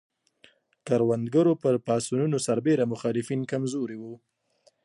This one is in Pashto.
کروندګرو پر پاڅونونو سربېره مخالفین کم زوري وو.